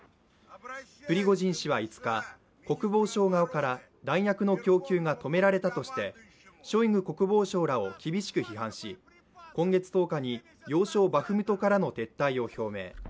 プリゴジン氏は５日国防省側から弾薬の供給が止められたとしてショイグ国防相らを厳しく批判し今月１０日に要衝バフムトからの撤退を表明。